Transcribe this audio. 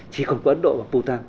chỉ còn có ấn độ và putan